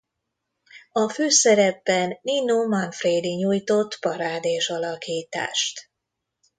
A főszerepben Nino Manfredi nyújtott parádés alakítást.